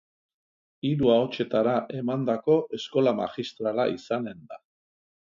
Hiru ahotsetara emandako eskola magistrala izanen da.